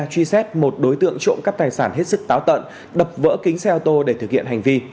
truy xét một đối tượng trộm cắp tài sản hết sức táo tận đập vỡ kính xe ô tô để thực hiện hành vi